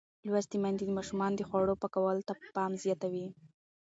لوستې میندې د ماشومانو د خوړو پاکولو ته پام زیاتوي.